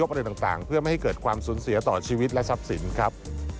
กับความสูญเสียต่อชีวิตและทรัพย์สินครับ